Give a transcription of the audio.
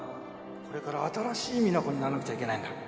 これから新しい実那子にならなくちゃいけないんだ